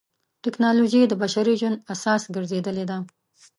ټکنالوجي د بشري ژوند اساس ګرځېدلې ده.